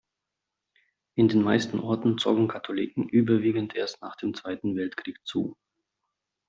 In den meisten Orten zogen Katholiken überwiegend erst nach dem Zweiten Weltkrieg zu.